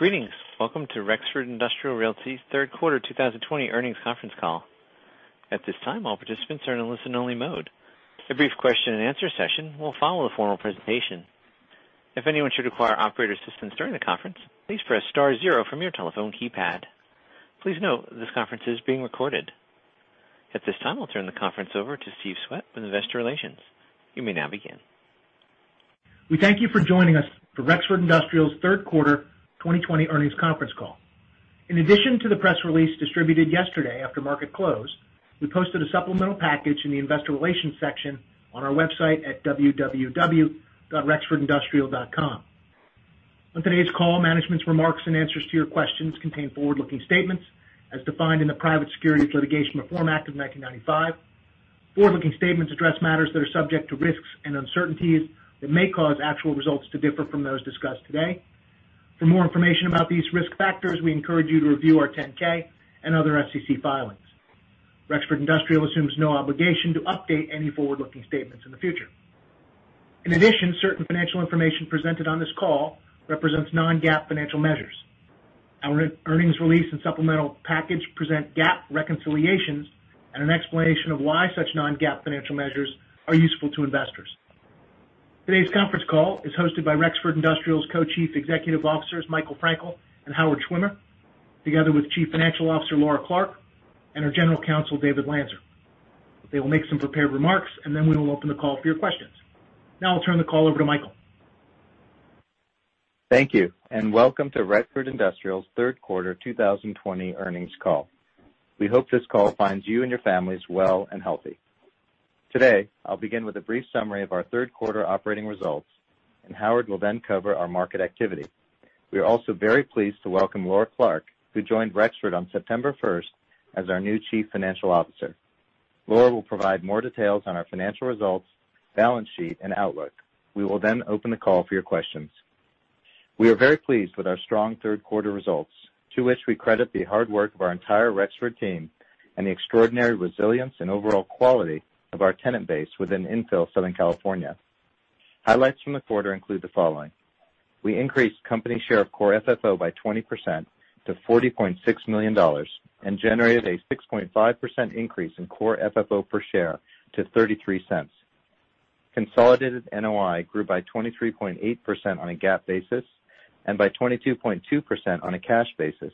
Greetings. Welcome to Rexford Industrial Realty Third Quarter 2020 Earnings Conference Call. A brief question and answer session will follow the formal presentation. If anyone should require operator assistance during the conference, please press star zero from your telephone keypad. Please note, this conference is being recorded. At this time, I'll turn the conference over to Steve Swett with Investor Relations. You may now begin. We thank you for joining us for Rexford Industrial's third quarter 2020 earnings conference call. In addition to the press release distributed yesterday after market close, we posted a supplemental package in the investor relations section on our website at www.rexfordindustrial.com. On today's call, management's remarks and answers to your questions contain forward-looking statements as defined in the Private Securities Litigation Reform Act of 1995. Forward-looking statements address matters that are subject to risks and uncertainties that may cause actual results to differ from those discussed today. For more information about these risk factors, we encourage you to review our 10-K and other SEC filings. Rexford Industrial assumes no obligation to update any forward-looking statements in the future. In addition, certain financial information presented on this call represents non-GAAP financial measures. Our earnings release and supplemental package present GAAP reconciliations and an explanation of why such non-GAAP financial measures are useful to investors. Today's conference call is hosted by Rexford Industrial's Co-Chief Executive Officers, Michael Frankel and Howard Schwimmer, together with Chief Financial Officer, Laura Clark, and our General Counsel, David Lanzer. They will make some prepared remarks, and then we will open the call for your questions. Now I'll turn the call over to Michael Frankel. Thank you, and welcome to Rexford Industrial's third quarter 2020 earnings call. We hope this call finds you and your families well and healthy. Today, I'll begin with a brief summary of our third quarter operating results, and Howard will then cover our market activity. We are also very pleased to welcome Laura Clark, who joined Rexford on September first as our new Chief Financial Officer. Laura will provide more details on our financial results, balance sheet, and outlook. We will then open the call for your questions. We are very pleased with our strong third quarter results, to which we credit the hard work of our entire Rexford team and the extraordinary resilience and overall quality of our tenant base within infill Southern California. Highlights from the quarter include the following. We increased company share of Core Funds From Operations by 20% to $40.6 million and generated a 6.5% increase in Core FFO per share to $0.33. Consolidated Net Operating Income grew by 23.8% on a GAAP basis and by 22.2% on a cash basis.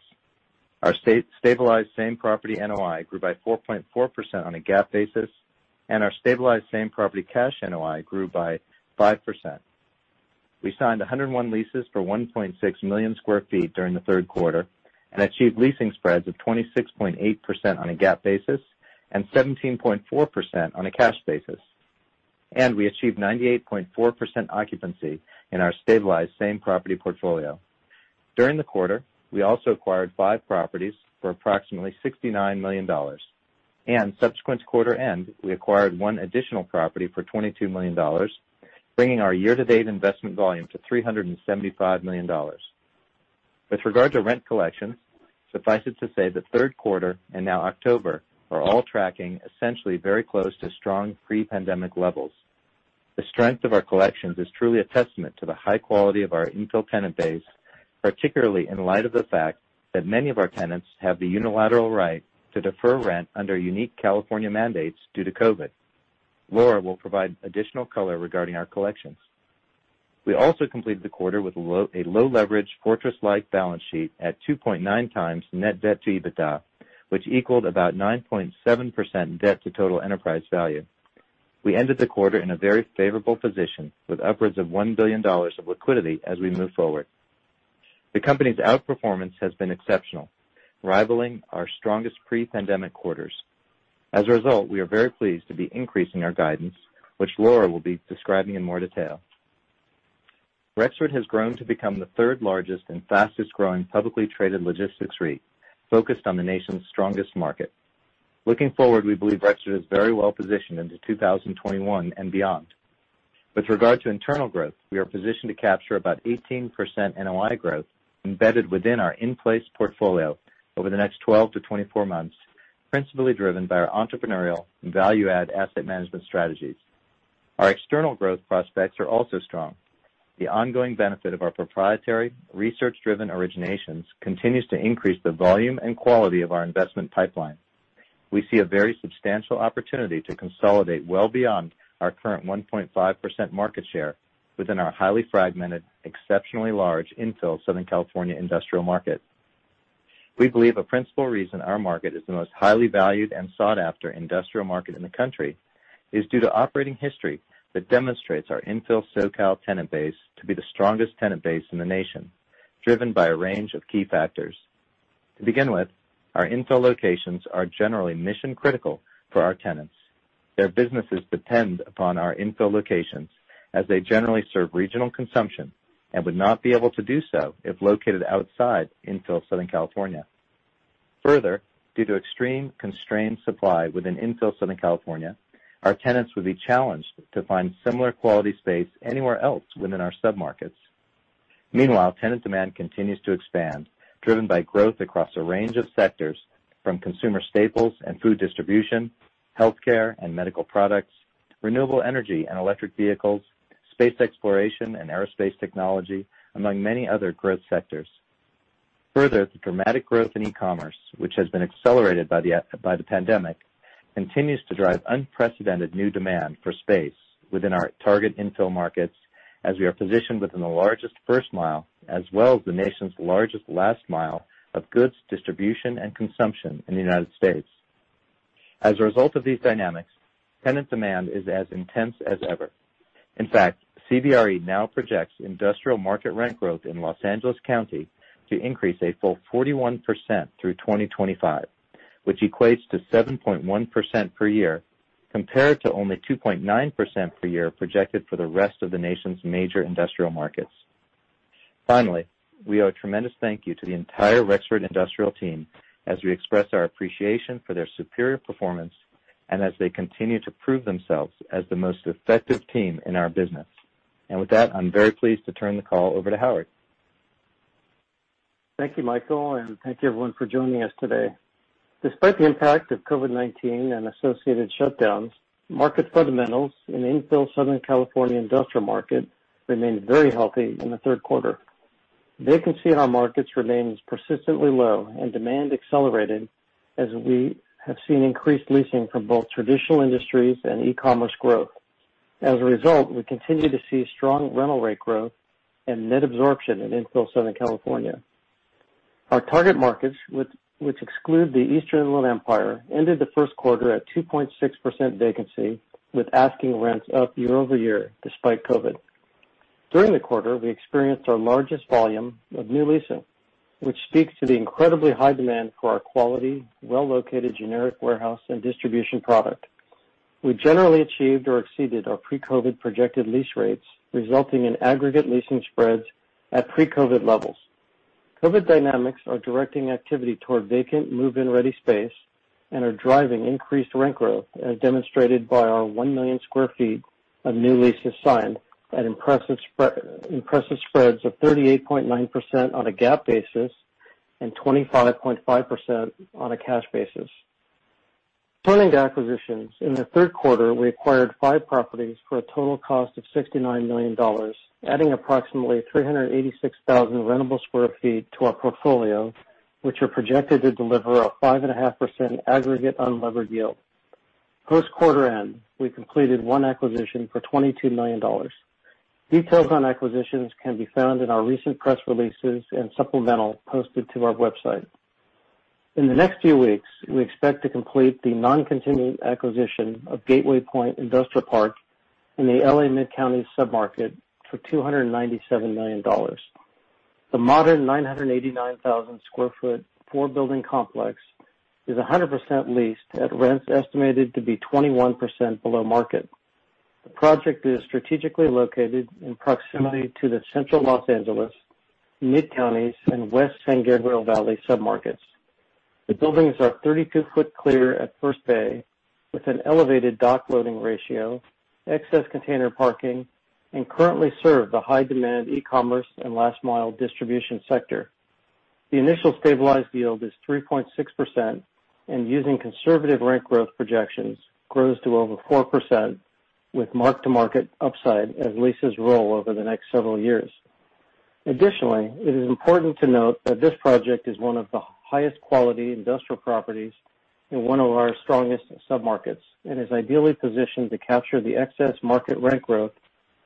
Our stabilized same-property NOI grew by 4.4% on a GAAP basis, and our stabilized same-property cash NOI grew by 5%. We signed 101 leases for 1.6 million square feet during the third quarter and achieved leasing spreads of 26.8% on a GAAP basis and 17.4% on a cash basis. We achieved 98.4% occupancy in our stabilized same-property portfolio. During the quarter, we also acquired five properties for approximately $69 million, and subsequent to quarter end, we acquired one additional property for $22 million, bringing our year-to-date investment volume to $375 million. With regard to rent collections, suffice it to say the third quarter and now October are all tracking essentially very close to strong pre-pandemic levels. The strength of our collections is truly a testament to the high quality of our infill tenant base, particularly in light of the fact that many of our tenants have the unilateral right to defer rent under unique California mandates due to COVID. Laura will provide additional color regarding our collections. We also completed the quarter with a low leverage fortress-like balance sheet at 2.9x net debt to EBITDA, which equaled about 9.7% debt to total enterprise value. We ended the quarter in a very favorable position with upwards of $1 billion of liquidity as we move forward. The company's outperformance has been exceptional, rivaling our strongest pre-pandemic quarters. As a result, we are very pleased to be increasing our guidance, which Laura will be describing in more detail. Rexford has grown to become the third largest and fastest growing publicly traded logistics Real Estate Investment Trust focused on the nation's strongest market. Looking forward, we believe Rexford is very well positioned into 2021 and beyond. With regard to internal growth, we are positioned to capture about 18% NOI growth embedded within our in-place portfolio over the next 12-24 months, principally driven by our entrepreneurial and value-add asset management strategies. Our external growth prospects are also strong. The ongoing benefit of our proprietary research-driven originations continues to increase the volume and quality of our investment pipeline. We see a very substantial opportunity to consolidate well beyond our current 1.5% market share within our highly fragmented, exceptionally large infill Southern California industrial market. We believe a principal reason our market is the most highly valued and sought-after industrial market in the country is due to operating history that demonstrates our infill SoCal tenant base to be the strongest tenant base in the nation, driven by a range of key factors. To begin with, our infill locations are generally mission critical for our tenants. Their businesses depend upon our infill locations as they generally serve regional consumption and would not be able to do so if located outside infill Southern California. Due to extreme constrained supply within infill Southern California, our tenants would be challenged to find similar quality space anywhere else within our submarkets. Tenant demand continues to expand, driven by growth across a range of sectors from consumer staples and food distribution, healthcare and medical products, renewable energy and electric vehicles, space exploration and aerospace technology, among many other growth sectors. The dramatic growth in e-commerce, which has been accelerated by the pandemic, continues to drive unprecedented new demand for space within our target infill markets as we are positioned within the largest first mile as well as the nation's largest last mile of goods distribution and consumption in the United States. As a result of these dynamics, tenant demand is as intense as ever. In fact, CBRE now projects industrial market rent growth in Los Angeles County to increase a full 41% through 2025, which equates to 7.1% per year compared to only 2.9% per year projected for the rest of the nation's major industrial markets. Finally, we owe a tremendous thank you to the entire Rexford Industrial team as we express our appreciation for their superior performance and as they continue to prove themselves as the most effective team in our business. With that, I'm very pleased to turn the call over to Howard Schwimmer. Thank you, Michael, and thank you everyone for joining us today. Despite the impact of COVID-19 and associated shutdowns, market fundamentals in infill Southern California industrial market remained very healthy in the third quarter. Vacancy on markets remains persistently low, demand accelerated as we have seen increased leasing from both traditional industries and e-commerce growth. As a result, we continue to see strong rental rate growth and net absorption in infill Southern California. Our target markets, which exclude the Eastern Inland Empire, ended the first quarter at 2.6% vacancy, with asking rents up year-over-year despite COVID. During the quarter, we experienced our largest volume of new leasing, which speaks to the incredibly high demand for our quality, well-located generic warehouse and distribution product. We generally achieved or exceeded our pre-COVID projected lease rates, resulting in aggregate leasing spreads at pre-COVID levels. COVID dynamics are directing activity toward vacant, move-in ready space and are driving increased rent growth, as demonstrated by our 1 million square feet of new leases signed at impressive spreads of 38.9% on a GAAP basis and 25.5% on a cash basis. Turning to acquisitions. In the third quarter, we acquired five properties for a total cost of $69 million, adding approximately 386,000 rentable square feet to our portfolio, which are projected to deliver a 5.5% aggregate unlevered yield. Post quarter end, we completed one acquisition for $22 million. Details on acquisitions can be found in our recent press releases and supplemental posted to our website. In the next few weeks, we expect to complete the non-contingent acquisition of Gateway Pointe Industrial Campus in the L.A. Mid-Counties submarket for $297 million. The modern 989,000 sq ft, four-building complex is 100% leased at rents estimated to be 21% below market. The project is strategically located in proximity to the Central Los Angeles, Mid Counties, and West San Gabriel Valley submarkets. The buildings are 32 ft clear at first bay with an elevated dock loading ratio, excess container parking, and currently serve the high-demand e-commerce and last mile distribution sector. The initial stabilized yield is 3.6%, and using conservative rent growth projections grows to over 4% with mark-to-market upside as leases roll over the next several years. Additionally, it is important to note that this project is one of the highest quality industrial properties in one of our strongest submarkets and is ideally positioned to capture the excess market rent growth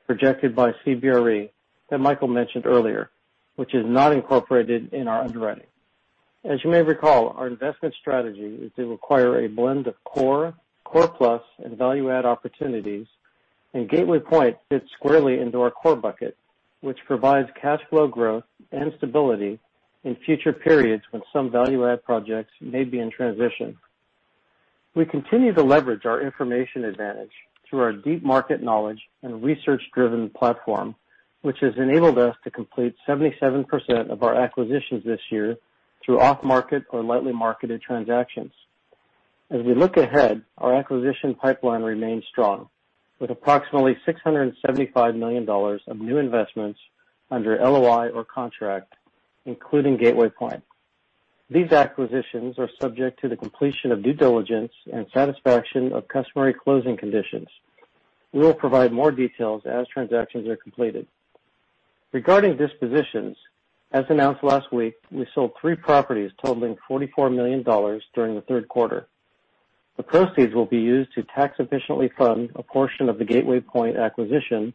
projected by CBRE that Michael mentioned earlier, which is not incorporated in our underwriting. As you may recall, our investment strategy is to acquire a blend of core plus, and value add opportunities, and Gateway Pointe fits squarely into our core bucket, which provides cash flow growth and stability in future periods when some value add projects may be in transition. We continue to leverage our information advantage through our deep market knowledge and research-driven platform, which has enabled us to complete 77% of our acquisitions this year through off-market or lightly marketed transactions. As we look ahead, our acquisition pipeline remains strong, with approximately $675 million of new investments under Letter of Intent or contract, including Gateway Pointe. These acquisitions are subject to the completion of due diligence and satisfaction of customary closing conditions. We will provide more details as transactions are completed. Regarding dispositions, as announced last week, we sold three properties totaling $44 million during the third quarter. The proceeds will be used to tax efficiently fund a portion of the Gateway Pointe acquisition.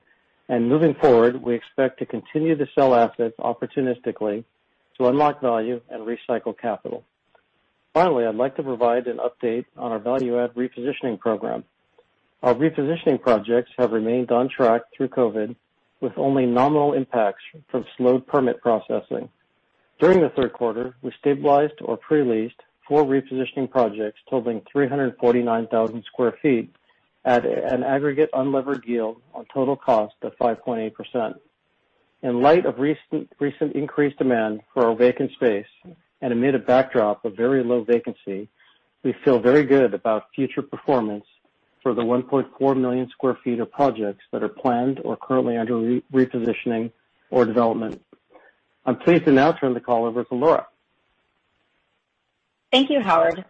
Moving forward, we expect to continue to sell assets opportunistically to unlock value and recycle capital. Finally, I'd like to provide an update on our value add repositioning program. Our repositioning projects have remained on track through COVID, with only nominal impacts from slowed permit processing. During the third quarter, we stabilized or pre-leased four repositioning projects totaling 349,000 sq ft at an aggregate unlevered yield on total cost of 5.8%. In light of recent increased demand for our vacant space and amid a backdrop of very low vacancy, we feel very good about future performance for the 1.4 million square feet of projects that are planned or currently under repositioning or development. I'm pleased to now turn the call over to Laura Clark. Thank you, Howard.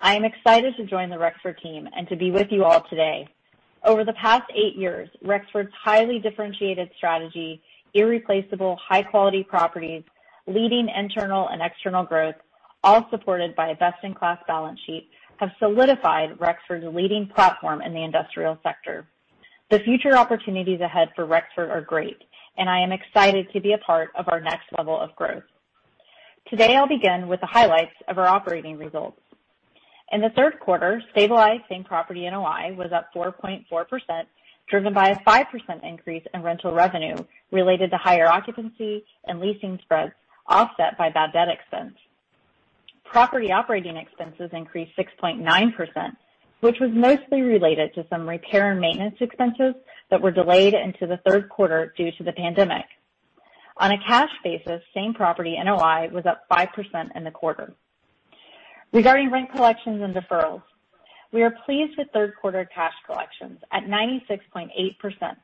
I am excited to join the Rexford team and to be with you all today. Over the past eight years, Rexford's highly differentiated strategy, irreplaceable high-quality properties, leading internal and external growth, all supported by a best-in-class balance sheet, have solidified Rexford's leading platform in the industrial sector. The future opportunities ahead for Rexford are great, I am excited to be a part of our next level of growth. Today, I'll begin with the highlights of our operating results. In the third quarter, stabilized same property NOI was up 4.4%, driven by a 5% increase in rental revenue related to higher occupancy and leasing spreads, offset by bad debt expense. Property operating expenses increased 6.9%, which was mostly related to some repair and maintenance expenses that were delayed into the third quarter due to the pandemic. On a cash basis, same property NOI was up five% in the quarter. Regarding rent collections and deferrals, we are pleased with third quarter cash collections at 96.8%,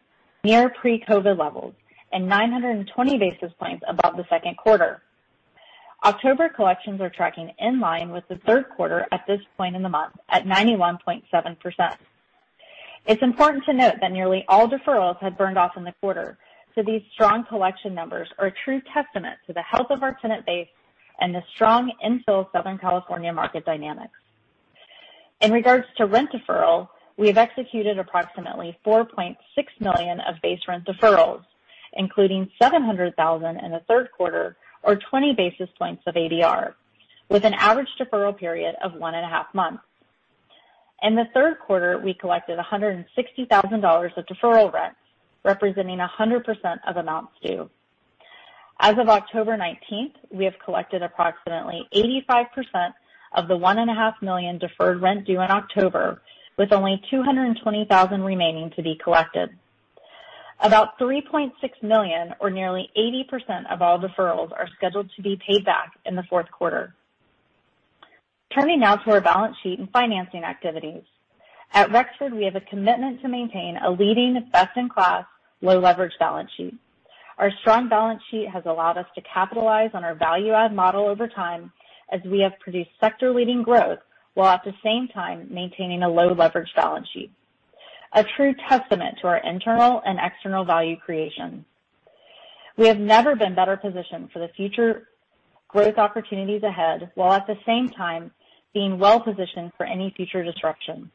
near pre-COVID levels, and 920 basis points above the second quarter. October collections are tracking in line with the third quarter at this point in the month at 91.7%. It's important to note that nearly all deferrals had burned off in the quarter. These strong collection numbers are a true testament to the health of our tenant base and the strong infill Southern California market dynamics. In regards to rent deferral, we have executed approximately $4.6 million of base rent deferrals, including $700,000 in the third quarter, or 20 basis points of Annual Base Rent, with an average deferral period of one and a half months. In the third quarter, we collected $160,000 of deferral rent, representing 100% of amounts due. As of October 19th, we have collected approximately 85% of the $1.5 million deferred rent due in October, with only $220,000 remaining to be collected. About $3.6 million or nearly 80% of all deferrals are scheduled to be paid back in the fourth quarter. Turning now to our balance sheet and financing activities. At Rexford, we have a commitment to maintain a leading best in class, low leverage balance sheet. Our strong balance sheet has allowed us to capitalize on our value add model over time as we have produced sector leading growth, while at the same time maintaining a low leverage balance sheet. A true testament to our internal and external value creation. We have never been better positioned for the future growth opportunities ahead, while at the same time being well-positioned for any future disruption.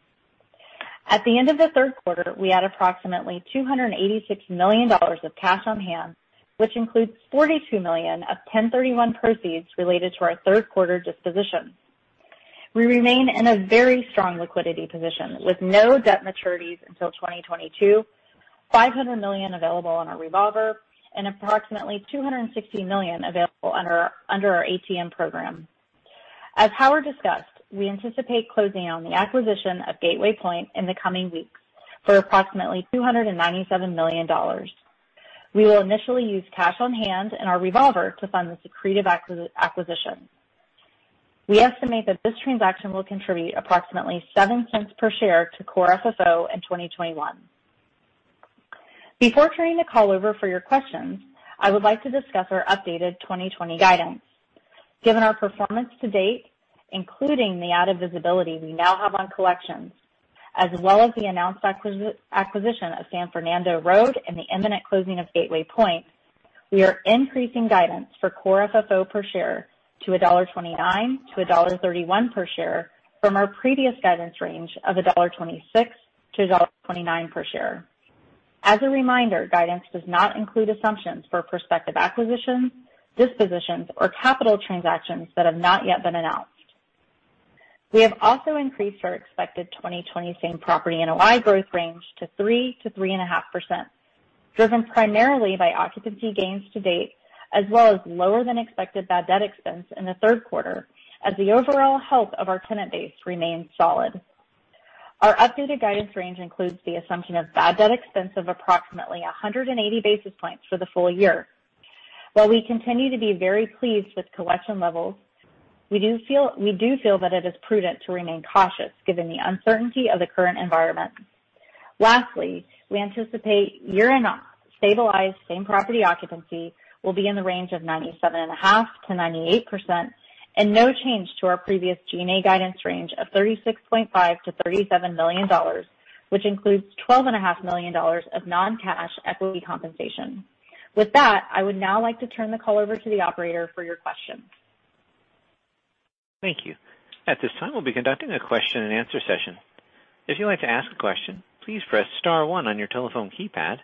At the end of the third quarter, we had approximately $286 million of cash on hand, which includes $42 million of 1031 proceeds related to our third quarter disposition. We remain in a very strong liquidity position with no debt maturities until 2022, $500 million available on our revolver, and approximately $260 million available under our at-the-market program. As Howard discussed, we anticipate closing on the acquisition of Gateway Pointe in the coming weeks for approximately $297 million. We will initially use cash on hand and our revolver to fund this accretive acquisition. We estimate that this transaction will contribute approximately $0.07 per share to Core FFO in 2021. Before turning the call over for your questions, I would like to discuss our updated 2020 guidance. Given our performance to date, including the added visibility we now have on collections, as well as the announced acquisition of San Fernando Road and the imminent closing of Gateway Pointe, we are increasing guidance for Core FFO per share to $1.29-$1.31 per share from our previous guidance range of $1.26-$1.29 per share. As a reminder, guidance does not include assumptions for prospective acquisitions, dispositions, or capital transactions that have not yet been announced. We have also increased our expected 2020 same property NOI growth range to 3%-3.5%, driven primarily by occupancy gains to date as well as lower than expected bad debt expense in the third quarter as the overall health of our tenant base remains solid. Our updated guidance range includes the assumption of bad debt expense of approximately 180 basis points for the full year. While we continue to be very pleased with collection levels, we do feel that it is prudent to remain cautious given the uncertainty of the current environment. Lastly, we anticipate year-end stabilized same property occupancy will be in the range of 97.5%-98% and no change to our previous G&A guidance range of $36.5 million-$37 million, which includes twelve and a half million dollars of non-cash equity compensation. With that, I would now like to turn the call over to the operator for your questions. Thank you. At this time, we'll be conducting a question and answer session. If you'd like to ask a question, please press star one on your telephone keypad,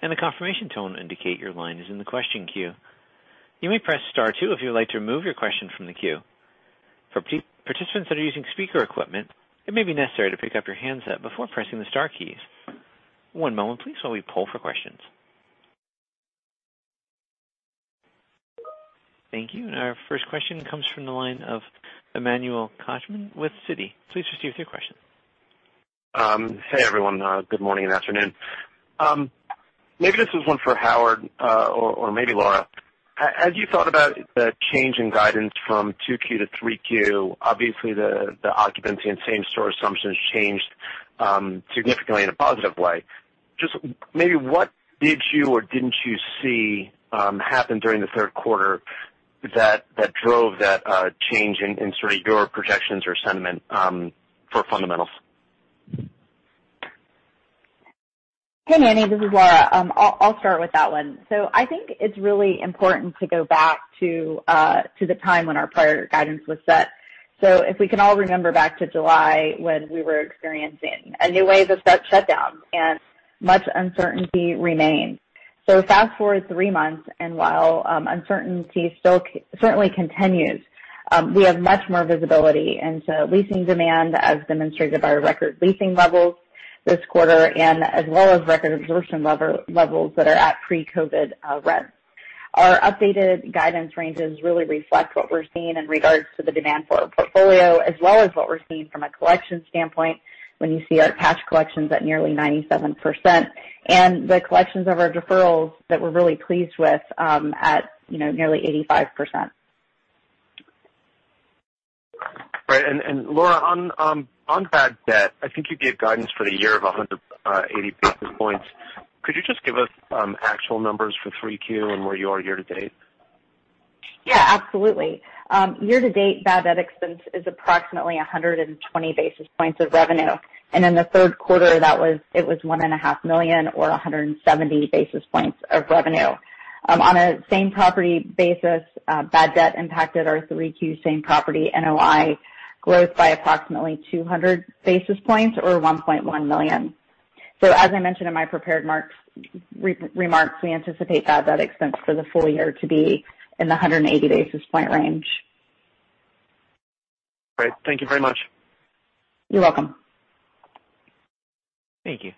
and a confirmation tone will indicate your line is in the question queue. You may press star two if you'd like to remove your question from the queue. For participants that are using speaker equipment, it may be necessary to pick up your handset before pressing the star key. One moment, please, while we poll for questions. Thank you. Our first question comes from the line of Emmanuel Korchman with Citigroup. Please proceed with your question. Hey everyone. Good morning and afternoon. Maybe this is one for Howard or maybe Laura. As you thought about the change in guidance from 2Q to 3Q, obviously the occupancy and same-store assumptions changed significantly in a positive way. Just maybe what did you or didn't you see happen during the third quarter that drove that change in sort of your projections or sentiment for fundamentals? Hey, Emmanuel, this is Laura. I'll start with that one. I think it's really important to go back to the time when our prior guidance was set. If we can all remember back to July, when we were experiencing a new wave of shutdowns and much uncertainty remained. Fast-forward three months, and while uncertainty still certainly continues, we have much more visibility into leasing demand, as demonstrated by our record leasing levels this quarter and as well as record absorption levels that are at pre-COVID rents. Our updated guidance ranges really reflect what we're seeing in regards to the demand for our portfolio, as well as what we're seeing from a collection standpoint when you see our cash collections at nearly 97% and the collections of our deferrals that we're really pleased with at nearly 85%. Right. Laura, on bad debt, I think you gave guidance for the year of 180 basis points. Could you just give us actual numbers for 3Q and where you are year-to-date? Yeah, absolutely. Year-to-date, bad debt expense is approximately 120 basis points of revenue. In the third quarter, it was $1.5 million or 170 basis points of revenue. On a same-property basis, bad debt impacted our 3Q same-property NOI growth by approximately 200 basis points or $1.1 million. As I mentioned in my prepared remarks, we anticipate bad debt expense for the full year to be in the 180 basis point range. Great. Thank you very much. You're welcome. Thank you.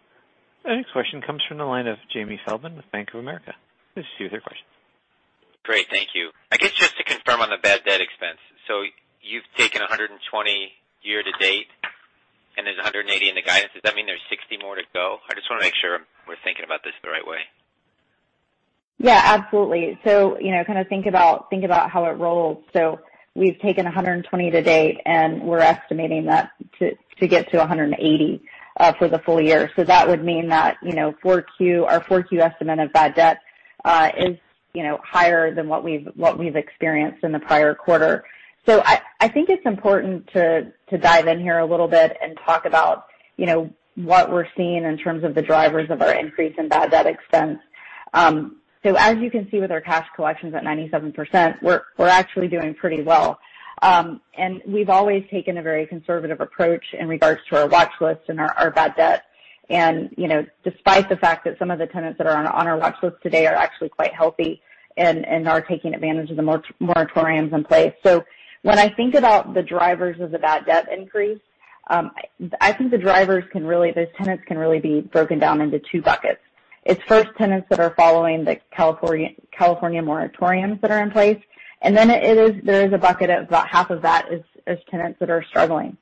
Our next question comes from the line of Jamie Feldman with Bank of America. This is you. Your question. Great. Thank you. I guess, just to confirm on the bad debt expense. You've taken $120 year-to-date and there's $180 in the guidance. Does that mean there's $60 more to go? I just want to make sure we're thinking about this the right way. Yeah, absolutely. Kind of think about how it rolls. We've taken $120 to date, and we're estimating that to get to $180 for the full year. That would mean that our 4Q estimate of bad debt is higher than what we've experienced in the prior quarter. I think it's important to dive in here a little bit and talk about what we're seeing in terms of the drivers of our increase in bad debt expense. As you can see with our cash collections at 97%, we're actually doing pretty well. We've always taken a very conservative approach in regards to our watch list and our bad debt. Despite the fact that some of the tenants that are on our watch list today are actually quite healthy and are taking advantage of the moratoriums in place. When I think about the drivers of the bad debt increase, I think the tenants can really be broken down into two buckets. It's first tenants that are following the California moratoriums that are in place, and then there is a bucket of about half of that is tenants that are struggling.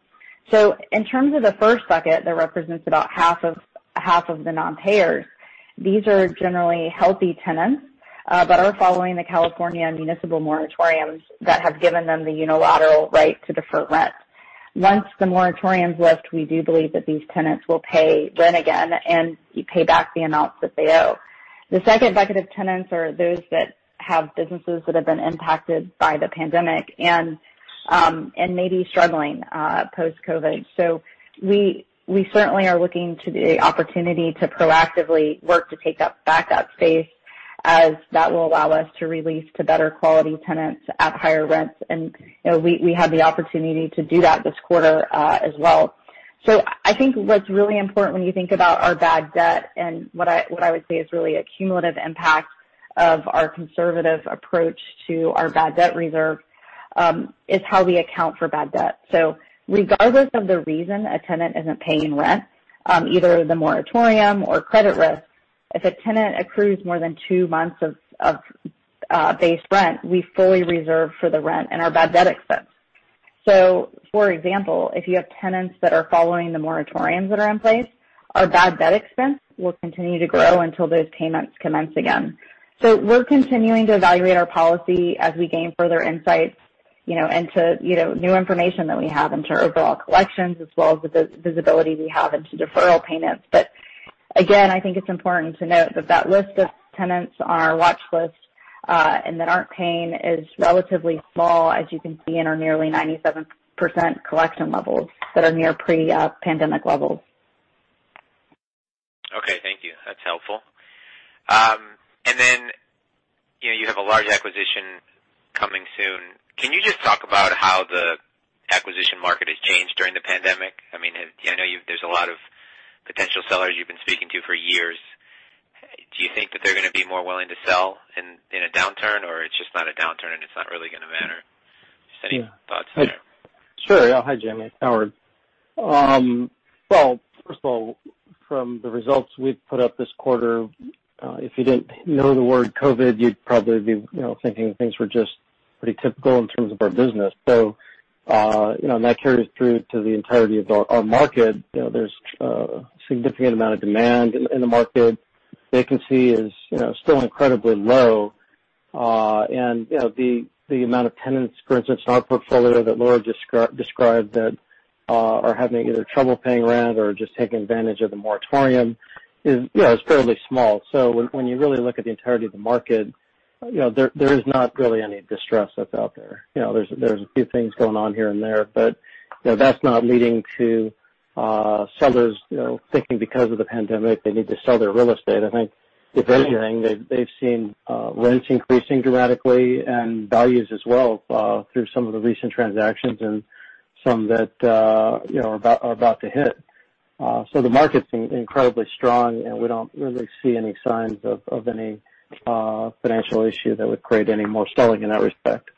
In terms of the first bucket that represents about half of the non-payers, these are generally healthy tenants but are following the California municipal moratoriums that have given them the unilateral right to defer rent. Once the moratoriums lift, we do believe that these tenants will pay rent again and pay back the amounts that they owe. The second bucket of tenants are those that have businesses that have been impacted by the pandemic and may be struggling post-COVID. We certainly are looking to the opportunity to proactively work to take back that space as that will allow us to re-lease to better quality tenants at higher rents. We had the opportunity to do that this quarter as well. I think what's really important when you think about our bad debt and what I would say is really a cumulative impact of our conservative approach to our bad debt reserve is how we account for bad debt. Regardless of the reason a tenant isn't paying rent, either the moratorium or credit risk, if a tenant accrues more than two months of base rent, we fully reserve for the rent and our bad debt expense. For example, if you have tenants that are following the moratoriums that are in place, our bad debt expense will continue to grow until those payments commence again. We're continuing to evaluate our policy as we gain further insights into new information that we have into overall collections as well as the visibility we have into deferral payments. Again, I think it's important to note that that list of tenants on our watch list and that aren't paying is relatively small, as you can see in our nearly 97% collection levels that are near pre-pandemic levels. Okay. Thank you. That's helpful. Then you have a large acquisition coming soon. Can you just talk about how the acquisition market has changed during the pandemic? I know there's a lot of potential sellers you've been speaking to for years. Do you think that they're going to be more willing to sell in a downturn or it's just not a downturn and it's not really going to matter? Just any thoughts there. Sure. Hi, Jamie. Howard. Well, first of all, from the results we've put up this quarter, if you didn't know the word COVID, you'd probably be thinking things were just pretty typical in terms of our business. That carries through to the entirety of our market. There's a significant amount of demand in the market. Vacancy is still incredibly low. The amount of tenants, for instance, in our portfolio that Laura described that are having either trouble paying rent or just taking advantage of the moratorium is fairly small. When you really look at the entirety of the market, there is not really any distress that's out there. There's a few things going on here and there, but that's not leading to sellers thinking because of the pandemic, they need to sell their real estate. I think if anything, they've seen rents increasing dramatically and values as well through some of the recent transactions and some that are about to hit. The market's incredibly strong, and we don't really see any signs of any financial issue that would create any more selling in that respect.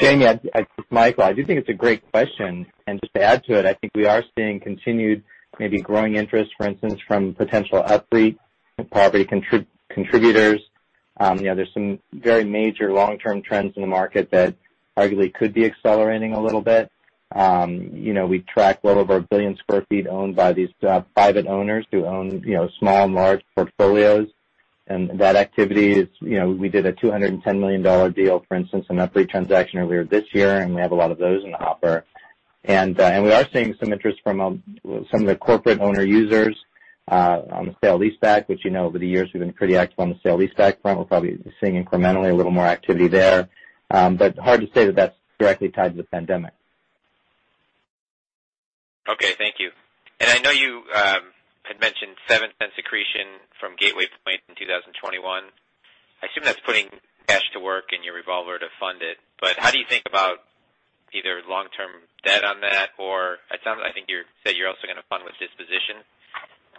Jamie, it's Michael. I do think it's a great question. Just to add to it, I think we are seeing continued, maybe growing interest, for instance, from potential upfront property contributors. There's some very major long-term trends in the market that arguably could be accelerating a little bit. We track well over 1 billion square feet owned by these private owners who own small and large portfolios. That activity is, we did a $210 million deal, for instance, an upfront transaction earlier this year, and we have a lot of those in the hopper. We are seeing some interest from some of the corporate owner users on the sale leaseback, which over the years we've been pretty active on the sale leaseback front. We're probably seeing incrementally a little more activity there. Hard to say that that's directly tied to the pandemic. Okay. Thank you. I know you had mentioned seven cent accretion from Gateway Pointe in 2021. I assume that's putting cash to work in your revolver to fund it. How do you think about either long-term debt on that, or I think you said you're also going to fund with disposition.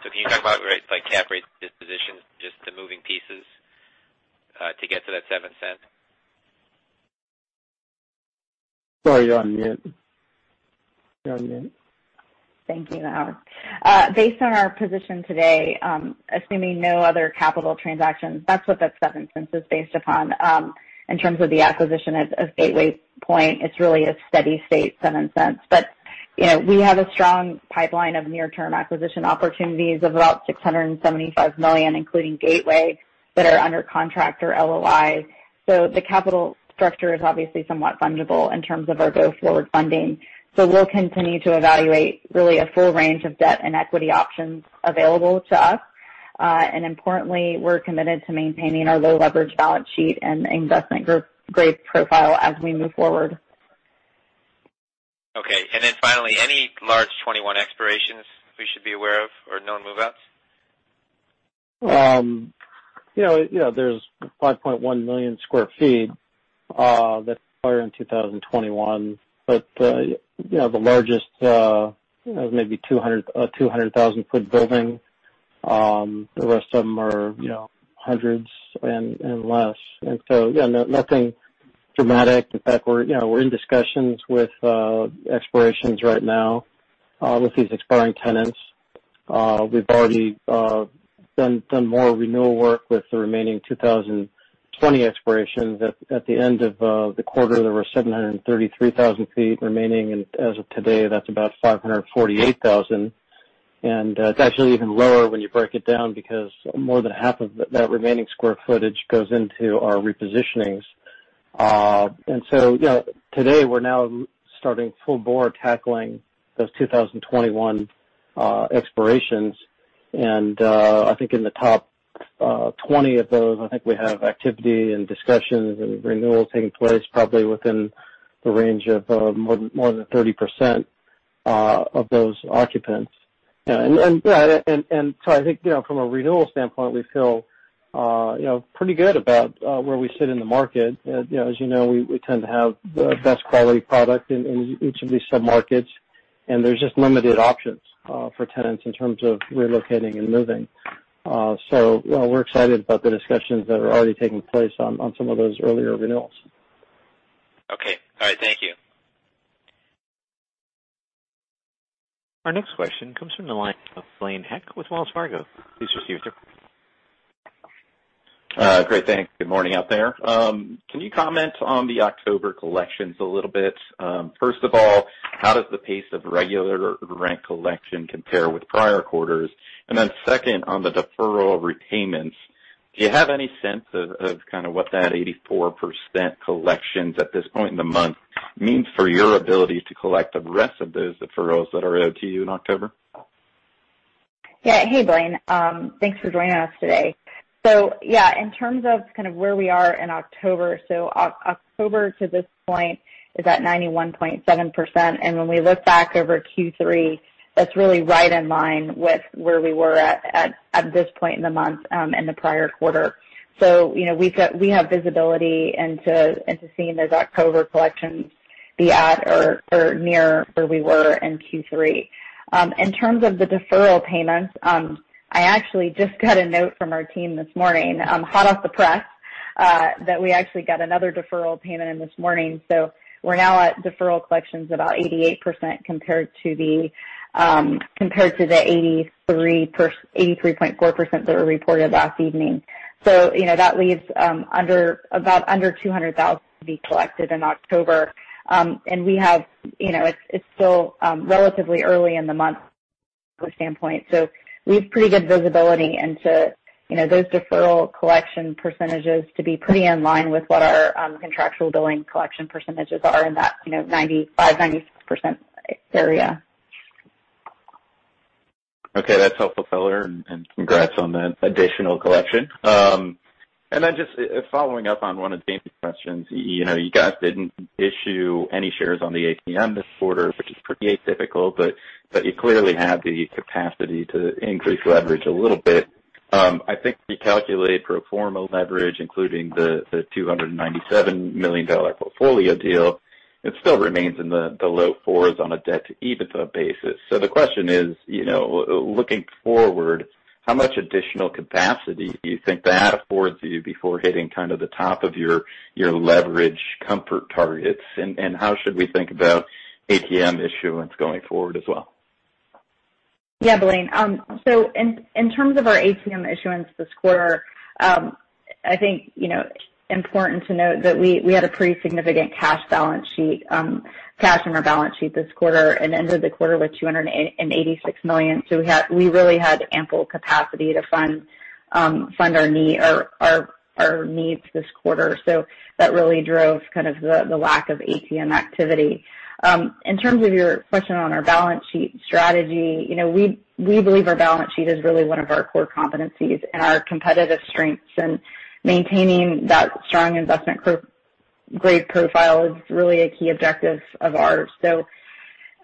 Can you talk about rates, like cap rate disposition, just the moving pieces to get to that $0.07? Sorry, you're on mute. You're on mute. Thank you, Howard. Based on our position today, assuming no other capital transactions, that's what that $0.07 is based upon. In terms of the acquisition of Gateway Pointe, it's really a steady state $0.07. We have a strong pipeline of near-term acquisition opportunities of about $675 million, including Gateway, that are under contract or LOI. The capital structure is obviously somewhat fundable in terms of our go-forward funding. We'll continue to evaluate really a full range of debt and equity options available to us. Importantly, we're committed to maintaining our low leverage balance sheet and investment-grade profile as we move forward. Okay. Finally, any large 2021 expirations we should be aware of or known move-outs? There's 5.1 million square feet that expire in 2021, the largest is maybe a 200,000 ft building. The rest of them are hundreds and less. Nothing dramatic. In fact, we're in discussions with expirations right now with these expiring tenants. We've already done more renewal work with the remaining 2020 expirations. At the end of the quarter, there were 730,000 ft remaining, and as of today, that's about 548,000 ft. It's actually even lower when you break it down because more than half of that remaining square footage goes into our repositionings. Today, we're now starting full-bore tackling those 2021 expirations. I think in the top 20 of those, I think we have activity and discussions and renewals taking place probably within the range of more than 30% of those occupants. I think from a renewal standpoint, we feel pretty good about where we sit in the market. As you know, we tend to have the best quality product in each of these sub-markets, and there's just limited options for tenants in terms of relocating and moving. We're excited about the discussions that are already taking place on some of those earlier renewals. Okay. All right. Thank you. Our next question comes from the line of Blaine Heck with Wells Fargo. Please proceed, sir. Great. Thanks. Good morning out there. Can you comment on the October collections a little bit? First of all, how does the pace of regular rent collection compare with prior quarters? Then second, on the deferral repayments, do you have any sense of what that 84% collections at this point in the month means for your ability to collect the rest of those deferrals that are owed to you in October? Hey, Blaine. Thanks for joining us today. In terms of kind of where we are in October to this point is at 91.7%, and when we look back over Q3, that's really right in line with where we were at this point in the month in the prior quarter. We have visibility into seeing those October collections be at or near where we were in Q3. In terms of the deferral payments, I actually just got a note from our team this morning, hot off the press, that we actually got another deferral payment in this morning. We're now at deferral collections about 88% compared to the 83.4% that were reported last evening. That leaves under $200,000 to be collected in October. It's still relatively early in the month standpoint. We have pretty good visibility into those deferral collection percentages to be pretty in line with what our contractual billing collection percentages are in that 95%, 96% area. Okay, that's helpful, Laura. Congrats on that additional collection. Just following up on one of Jamie's questions. You guys didn't issue any shares on the ATM this quarter, which is pretty atypical, but you clearly have the capacity to increase leverage a little bit. I think we calculate pro forma leverage, including the $297 million portfolio deal. It still remains in the low fours on a debt-to-EBITDA basis. The question is, looking forward, how much additional capacity do you think that affords you before hitting kind of the top of your leverage comfort targets? How should we think about ATM issuance going forward as well? Blaine, in terms of our ATM issuance this quarter, I think it's important to note that we had a pretty significant cash in our balance sheet this quarter and ended the quarter with $286 million. We really had ample capacity to fund our needs this quarter. That really drove kind of the lack of ATM activity. In terms of your question on our balance sheet strategy, we believe our balance sheet is really one of our core competencies and our competitive strengths. Maintaining that strong investment-grade profile is really a key objective of ours.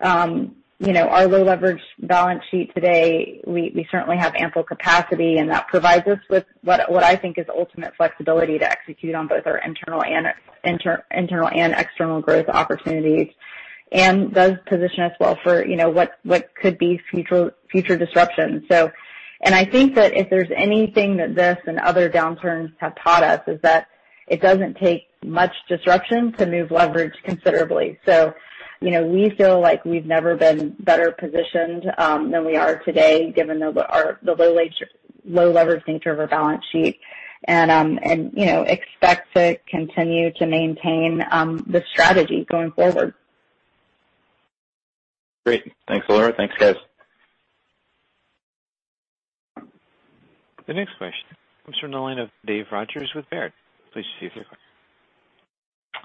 Our low leverage balance sheet today, we certainly have ample capacity, that provides us with what I think is ultimate flexibility to execute on both our internal and external growth opportunities does position us well for what could be future disruptions. I think that if there's anything that this and other downturns have taught us is that it doesn't take much disruption to move leverage considerably. We feel like we've never been better positioned than we are today given the low leverage nature of our balance sheet and expect to continue to maintain this strategy going forward. Great. Thanks, Laura. Thanks, guys. The next question comes from the line of Dave Rogers with Baird. Please proceed with your question.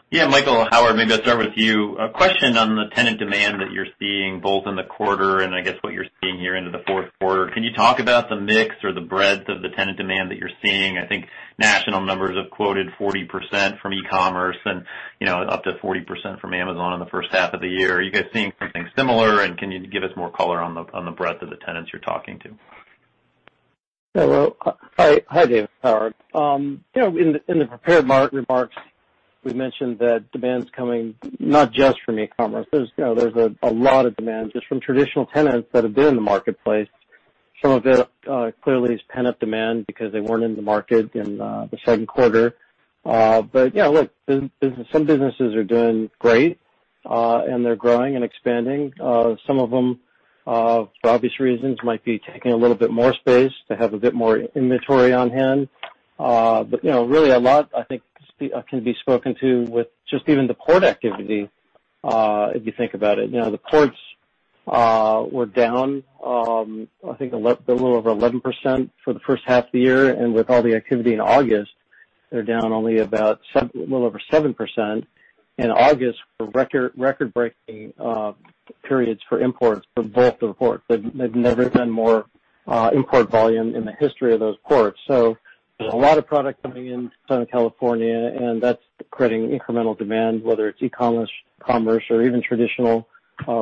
Yeah. Michael, Howard, maybe I'll start with you. A question on the tenant demand that you're seeing both in the quarter and I guess what you're seeing here into the fourth quarter. Can you talk about the mix or the breadth of the tenant demand that you're seeing? I think national numbers have quoted 40% from e-commerce and up to 40% from Amazon in the first half of the year. Are you guys seeing something similar, and can you give us more color on the breadth of the tenants you're talking to? Hi, Dave. Howard. In the prepared remarks, we mentioned that demand's coming not just from e-commerce. There's a lot of demand just from traditional tenants that have been in the marketplace. Some of it clearly is pent-up demand because they weren't in the market in the second quarter. Some businesses are doing great, and they're growing and expanding. Some of them for obvious reasons, might be taking a little bit more space to have a bit more inventory on hand. Really a lot, I think, can be spoken to with just even the port activity, if you think about it. The ports were down, I think a little over 11% for the first half of the year, with all the activity in August, they're down only about a little over 7%. August were record-breaking periods for imports for both the ports. There's never been more import volume in the history of those ports. There's a lot of product coming into Southern California, and that's creating incremental demand, whether it's e-commerce or even traditional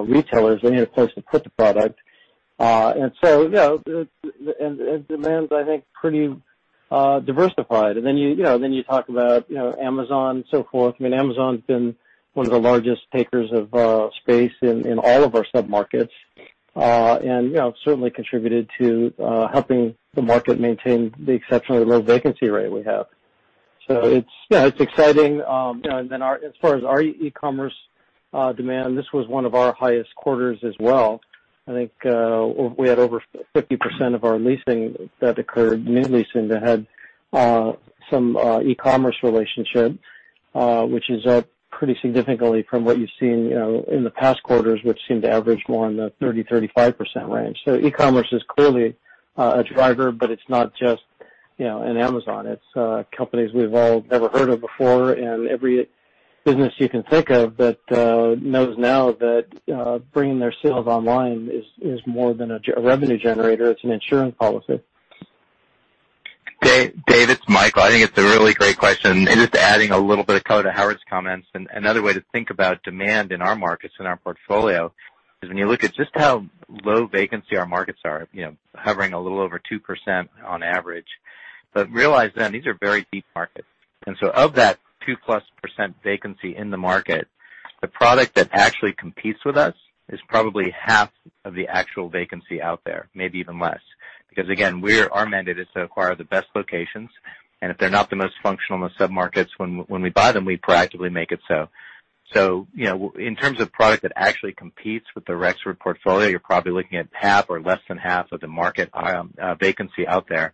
retailers. They need a place to put the product. Demand's, I think, pretty diversified. You talk about Amazon and so forth. I mean, Amazon's been one of the largest takers of space in all of our sub-markets. Certainly contributed to helping the market maintain the exceptionally low vacancy rate we have. It's exciting. As far as our e-commerce demand, this was one of our highest quarters as well. I think we had over 50% of our leasing that occurred, new leasing that had some e-commerce relationship which is up pretty significantly from what you've seen in the past quarters, which seemed to average more in the 30%-35% range. E-commerce is clearly a driver, but it's not just an Amazon. It's companies we've all never heard of before. Every business you can think of that knows now that bringing their sales online is more than a revenue generator. It's an insurance policy. Dave, it's Michael. I think it's a really great question. Just adding a little bit of color to Howard's comments. Another way to think about demand in our markets, in our portfolio is when you look at just how low vacancy our markets are, hovering a little over 2% on average. Realize then these are very deep markets. Of that 2%+ vacancy in the market, the product that actually competes with us is probably half of the actual vacancy out there, maybe even less. Because again, our mandate is to acquire the best locations, and if they're not the most functional in the sub-markets when we buy them, we proactively make it so. In terms of product that actually competes with the Rexford portfolio, you're probably looking at half or less than half of the market vacancy out there.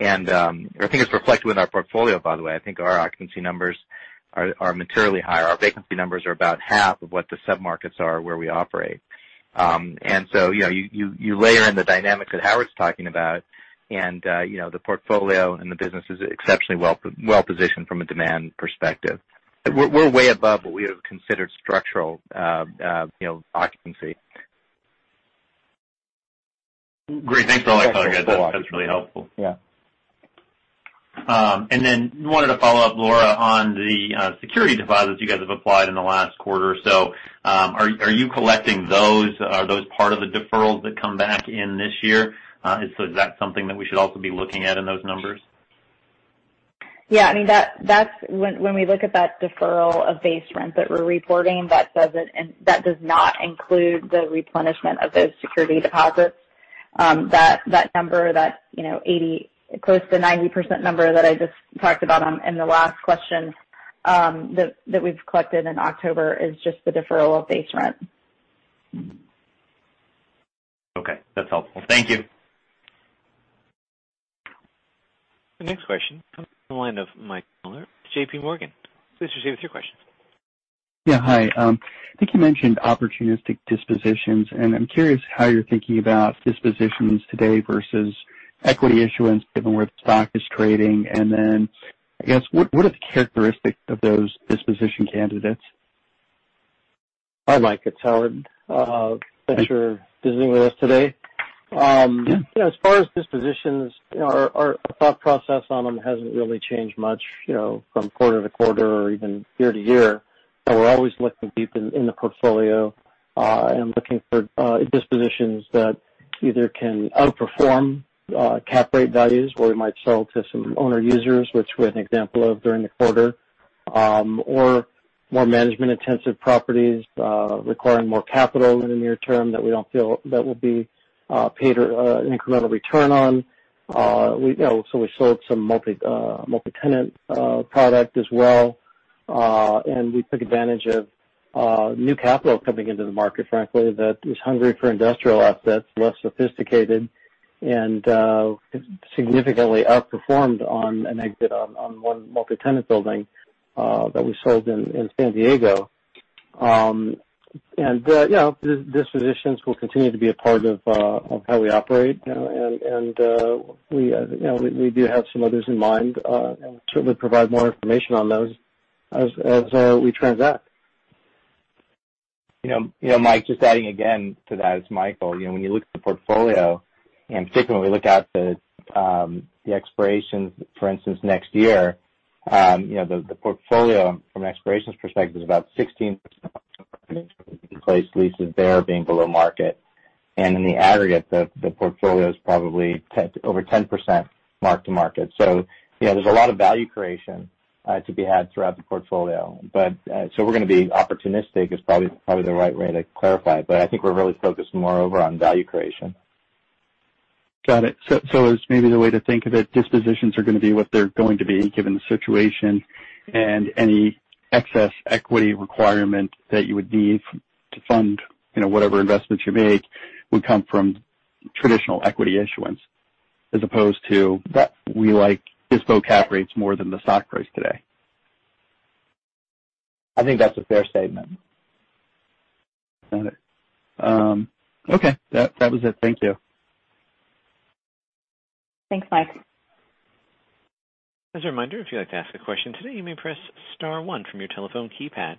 I think it's reflected in our portfolio, by the way. I think our occupancy numbers are materially higher. Our vacancy numbers are about half of what the submarkets are where we operate. You layer in the dynamics that Howard's talking about, and the portfolio and the business is exceptionally well-positioned from a demand perspective. We're way above what we have considered structural occupancy. Great. Thanks for all that, guys. That's really helpful. Yeah. Wanted to follow up, Laura, on the security deposits you guys have applied in the last quarter or so. Are you collecting those? Are those part of the deferrals that come back in this year? Is that something that we should also be looking at in those numbers? Yeah. When we look at that deferral of base rent that we're reporting, that does not include the replenishment of those security deposits. That number, that close to 90% number that I just talked about in the last question, that we've collected in October is just the deferral of base rent. Okay. That's helpful. Thank you. The next question comes from the line of Mike Mueller, JPMorgan. Please proceed with your question. Yeah. Hi. I think you mentioned opportunistic dispositions. I'm curious how you're thinking about dispositions today versus equity issuance, given where the stock is trading. I guess, what are the characteristics of those disposition candidates? Hi, Mike. It's Howard. Thanks for visiting with us today. As far as dispositions, our thought process on them hasn't really changed much from quarter to quarter or even year to year. We're always looking deep in the portfolio and looking for dispositions that either can outperform cap rate values, where we might sell to some owner users, which we had an example of during the quarter, or more management intensive properties requiring more capital in the near term that we don't feel that we'll be paid an incremental return on. We sold some multi-tenant product as well. We took advantage of new capital coming into the market, frankly, that was hungry for industrial assets, less sophisticated, and significantly outperformed on an exit on one multi-tenant building that we sold in San Diego. The dispositions will continue to be a part of how we operate. We do have some others in mind, and we'll certainly provide more information on those as we transact. Mike, just adding again to that, it's Michael. When you look at the portfolio, and particularly when we look at the expirations, for instance, next year, the portfolio from an expirations perspective is about 16% of the in-place leases there being below market. In the aggregate, the portfolio is probably over 10% mark to market. There's a lot of value creation to be had throughout the portfolio. We're going to be opportunistic, is probably the right way to clarify it. I think we're really focused more over on value creation. Got it. As maybe the way to think of it, dispositions are going to be what they're going to be, given the situation, and any excess equity requirement that you would need to fund whatever investments you make would come from traditional equity issuance, as opposed to that we like disposition cap rates more than the stock price today. I think that's a fair statement. Got it. Okay. That was it. Thank you. Thanks, Mike. As a reminder, if you'd like to ask a question today, you may press star one from your telephone keypad.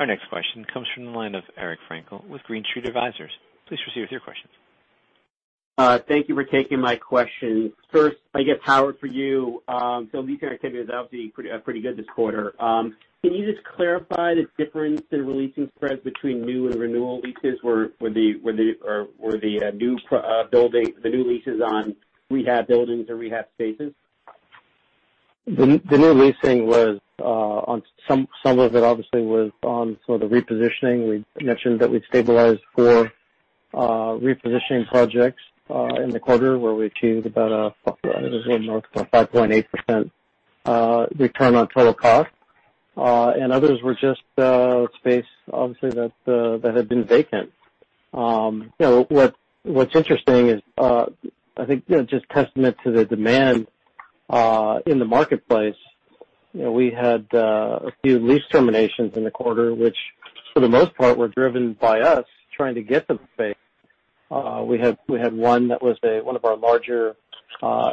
Our next question comes from the line of Eric Frankel with Green Street Advisors. Please proceed with your question. Thank you for taking my question. First, I guess, Howard, for you. Leasing activity is obviously pretty good this quarter. Can you just clarify the difference in leasing spreads between new and renewal leases? Were the new leases on rehab buildings or rehab spaces? The new leasing, some of it obviously was on sort of the repositioning. We mentioned that we stabilized four repositioning projects in the quarter, where we achieved about a 5.8% return on total cost. Others were just space, obviously, that had been vacant. What's interesting is, I think, just testament to the demand in the marketplace. We had a few lease terminations in the quarter, which for the most part, were driven by us trying to get the space. We had one that was one of our larger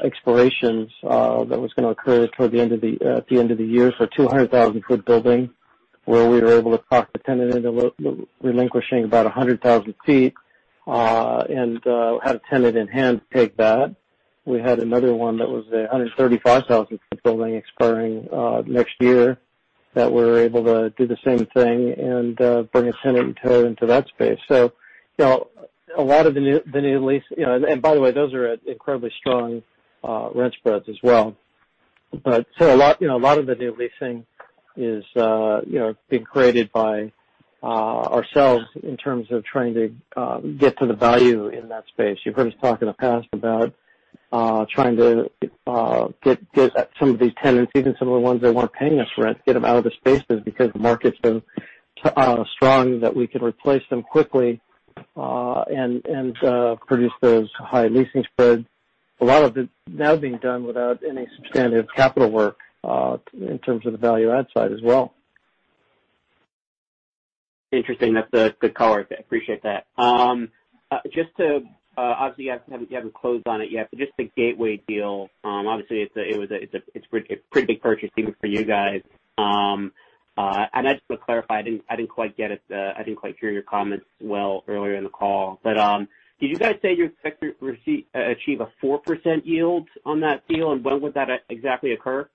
expirations that was going to occur toward the end of the year. 200,000 ft building where we were able to talk the tenant into relinquishing about 100,000 ft and had a tenant in hand take that. We had another one that was 135,000 ft building expiring next year that we were able to do the same thing and bring a tenant into that space. By the way, those are at incredibly strong rent spreads as well. A lot of the new leasing is being created by ourselves in terms of trying to get to the value in that space. You've heard us talk in the past about trying to get some of these tenants, even some of the ones that weren't paying us rent, get them out of the spaces because the market's been strong, that we could replace them quickly. Produce those high leasing spreads. A lot of it now being done without any substantive capital work, in terms of the value add side as well. Interesting. That's a good color. I appreciate that. Obviously, you haven't closed on it yet, just the Gateway deal. Obviously it's a pretty big purchase even for you guys. I just want to clarify, I didn't quite hear your comments well earlier in the call. Did you guys say you expect to achieve a 4% yield on that deal, and when would that exactly occur?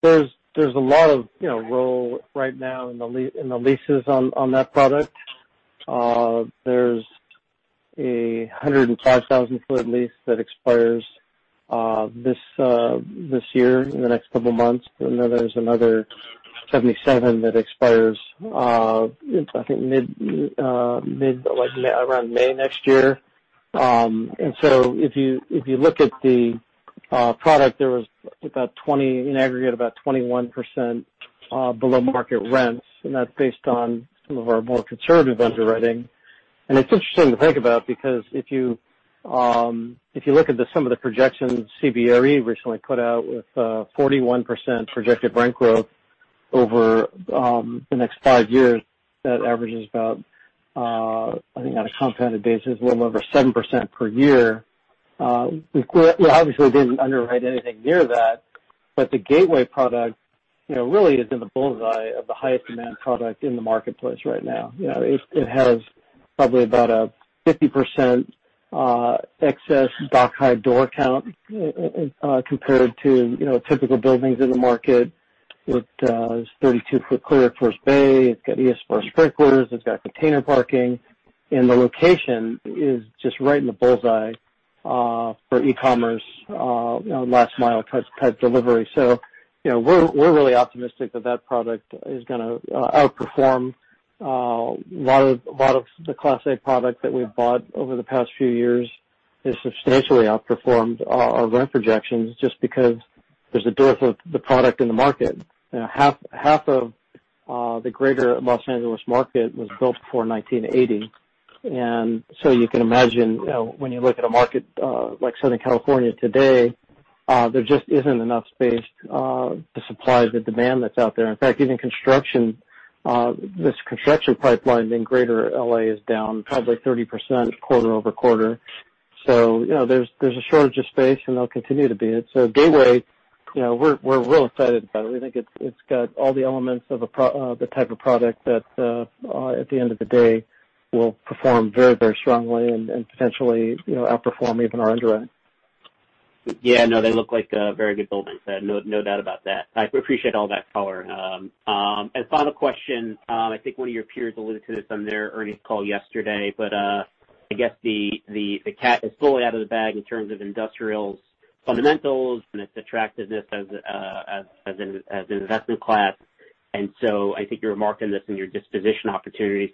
There's a lot of roll right now in the leases on that product. There's a 105,000 ft lease that expires this year, in the next couple of months. There's another 77 that expires, I think around May next year. If you look at the product, there was in aggregate, about 21% below market rents, and that's based on some of our more conservative underwriting. It's interesting to think about because if you look at some of the projections CBRE recently put out with 41% projected rent growth over the next five years, that averages about, I think on a compounded basis, a little over 7% per year. We obviously didn't underwrite anything near that, the Gateway product really is in the bullseye of the highest demand product in the marketplace right now. It has probably about a 50% excess dock-high door count compared to typical buildings in the market with a 32 ft clear at first bay. It's got Early Suppression Fast Response sprinklers, it's got container parking, and the location is just right in the bullseye for e-commerce last mile type delivery. We're really optimistic that product is going to outperform a lot of the Class A product that we've bought over the past few years, has substantially outperformed our rent projections just because there's a dearth of the product in the market. Half of the greater Los Angeles market was built before 1980. You can imagine when you look at a market like Southern California today, there just isn't enough space to supply the demand that's out there. In fact, even construction, this construction pipeline in greater L.A. is down probably 30% quarter-over-quarter. There's a shortage of space, and there'll continue to be. Gateway, we're real excited about it. We think it's got all the elements of the type of product that, at the end of the day, will perform very strongly and potentially outperform even our underwriting. Yeah, no, they look like a very good building. No doubt about that. I appreciate all that color. Final question. I think one of your peers alluded to this on their earnings call yesterday, but I guess the cat is fully out of the bag in terms of industrial's fundamentals and its attractiveness as an investment class. I think you're remarking this in your disposition opportunities.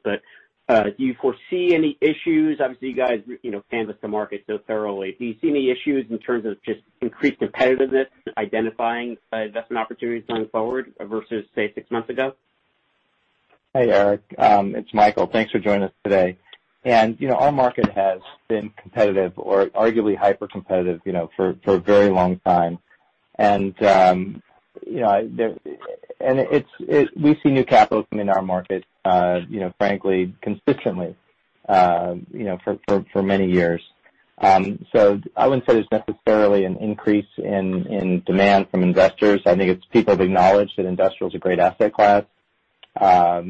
Do you foresee any issues? Obviously, you guys canvassed the market so thoroughly. Do you see any issues in terms of just increased competitiveness identifying investment opportunities going forward versus, say, six months ago? Hey, Eric, it's Michael. Thanks for joining us today. Our market has been competitive or arguably hypercompetitive for a very long time. We see new capital come into our market frankly, consistently for many years. I wouldn't say there's necessarily an increase in demand from investors. I think it's people have acknowledged that industrial is a great asset class. I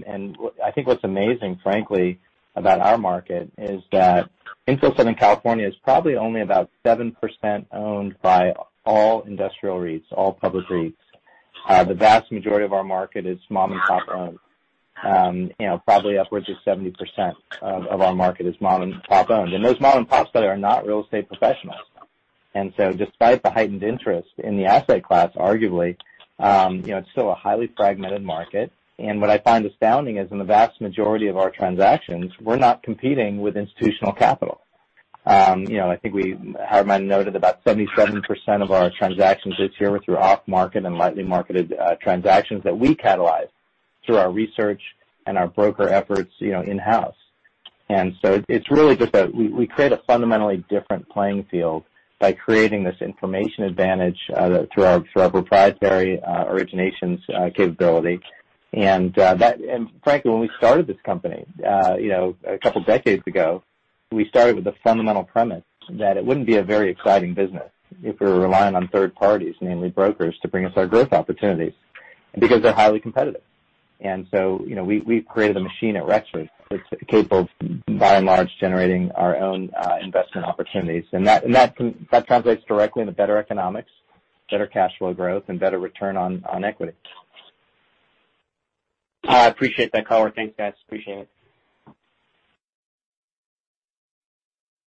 think what's amazing, frankly, about our market is that infill Southern California is probably only about 7% owned by all industrial REITs, all public REITs. The vast majority of our market is mom-and-pop owned. Probably upwards of 70% of our market is mom-and-pop owned. Those moms and pops by the way are not real estate professionals. Despite the heightened interest in the asset class, arguably, it's still a highly fragmented market. What I find astounding is in the vast majority of our transactions, we're not competing with institutional capital. I think Howard might have noted about 77% of our transactions this year were through off-market and lightly marketed transactions that we catalyzed through our research and our broker efforts in-house. It's really just that we create a fundamentally different playing field by creating this information advantage through our proprietary originations capability. Frankly, when we started this company a couple of decades ago, we started with the fundamental premise that it wouldn't be a very exciting business if we were relying on third parties, namely brokers, to bring us our growth opportunities because they're highly competitive. We've created a machine at Rexford that's capable of, by and large, generating our own investment opportunities. That translates directly into better economics, better cash flow growth, and better return on equity. I appreciate that color. Thanks, guys. Appreciate it.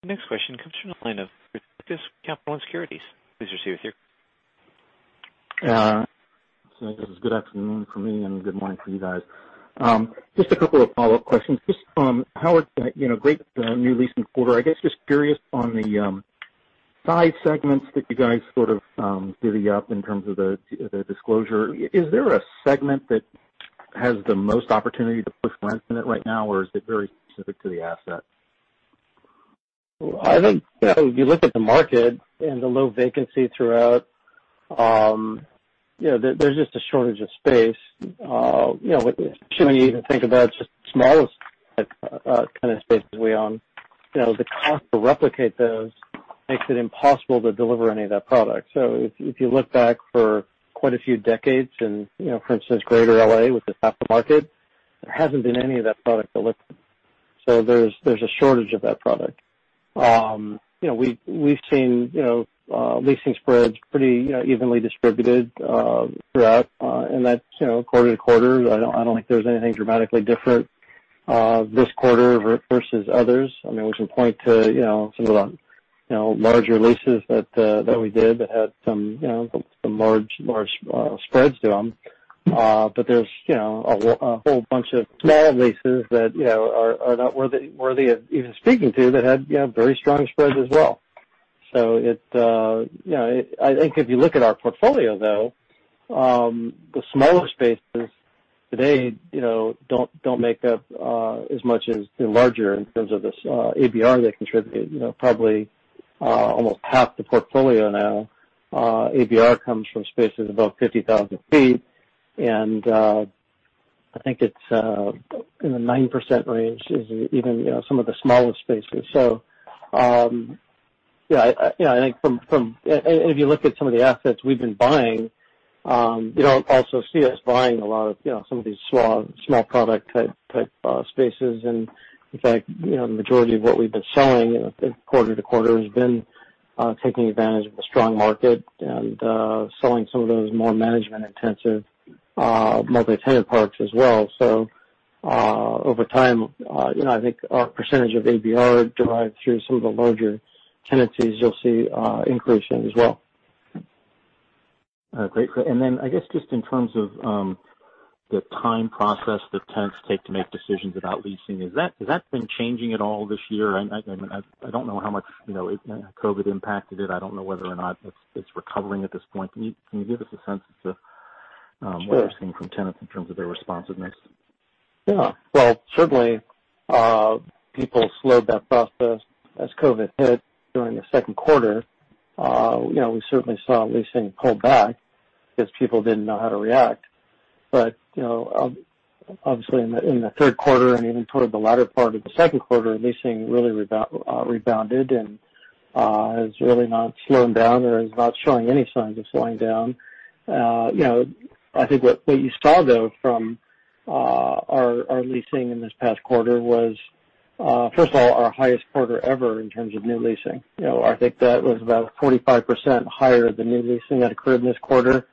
Next question comes from the line of Chris Lucas, Capital One Securities. Please proceed with your question. I guess it's good afternoon for me and good morning for you guys. A couple of follow-up questions. Howard, great new leasing quarter. I'm curious on the five segments that you guys divvied up in terms of the disclosure. Is there a segment that has the most opportunity to push rents in it right now, or is it very specific to the asset? I think if you look at the market and the low vacancy throughout, there's just a shortage of space. When you even think about just the smallest kind of spaces we own, the cost to replicate those makes it impossible to deliver any of that product. If you look back for quite a few decades and, for instance, greater L.A. with this half the market, there hasn't been any of that product delivered. There's a shortage of that product. We've seen leasing spreads pretty evenly distributed throughout, and that's quarter to quarter. I don't think there's anything dramatically different this quarter versus others. I mean, we can point to some of the larger leases that we did that had some large spreads to them. There's a whole bunch of small leases that are not worthy of even speaking to that had very strong spreads as well. I think if you look at our portfolio, though, the smaller spaces today don't make up as much as the larger in terms of this ABR they contribute. Probably almost half the portfolio now, ABR comes from spaces above 50,000 ft, and I think it's in the 9% range is even some of the smallest spaces. I think if you look at some of the assets we've been buying, you don't also see us buying a lot of some of these small product type spaces. In fact, the majority of what we've been selling quarter-to-quarter has been taking advantage of the strong market and selling some of those more management intensive multi-tenant parks as well. Over time, I think our percentage of ABR derived through some of the larger tenancies, you'll see increasing as well. Great. I guess, just in terms of the time process that tenants take to make decisions about leasing, has that been changing at all this year? I don't know how much COVID impacted it. I don't know whether or not it's recovering at this point. Can you give us a sense of? Sure. What you're seeing from tenants in terms of their responsiveness? Well, certainly, people slowed that process as COVID hit during the second quarter. We certainly saw leasing pull back because people didn't know how to react. Obviously in the third quarter and even toward the latter part of the second quarter, leasing really rebounded, and it's really not slowing down or is not showing any signs of slowing down. I think what you saw, though, from our leasing in this past quarter was, first of all, our highest quarter ever in terms of new leasing. I think that was about 45% higher the new leasing that occurred in this quarter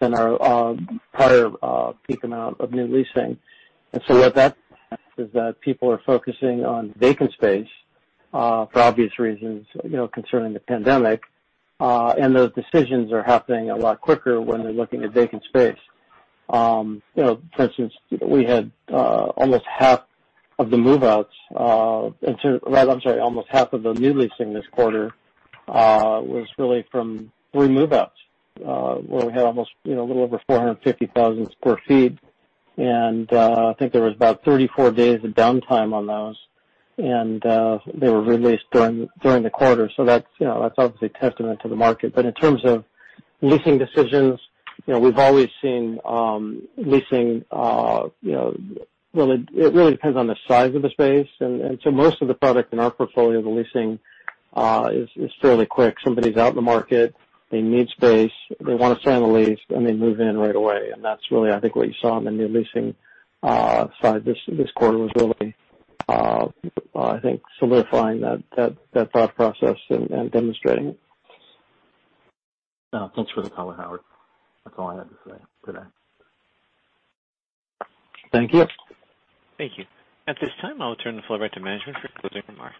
than our prior peak amount of new leasing. What that is that people are focusing on vacant space for obvious reasons concerning the pandemic, and those decisions are happening a lot quicker when they're looking at vacant space. For instance, almost half of the new leasing this quarter was really from move-outs, where we had almost a little over 450,000 sq ft, and I think there was about 34 days of downtime on those, and they were re-leased during the quarter. That's obviously a testament to the market. In terms of leasing decisions, we've always seen leasing, it really depends on the size of the space. Most of the product in our portfolio, the leasing is fairly quick. Somebody's out in the market, they need space, they want to sign the lease, and they move in right away. That's really, I think, what you saw on the new leasing side this quarter was really, I think, solidifying that thought process and demonstrating it. Thanks for the color, Howard. That's all I had to say today. Thank you. Thank you. At this time, I will turn the floor back to management for closing remarks.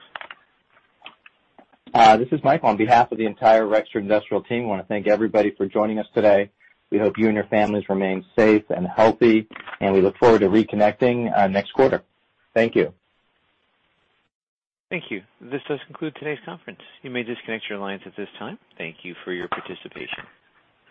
This is Michael. On behalf of the entire Rexford Industrial team, we want to thank everybody for joining us today. We hope you and your families remain safe and healthy, we look forward to reconnecting next quarter. Thank you. Thank you. This does conclude today's conference. You may disconnect your lines at this time. Thank you for your participation.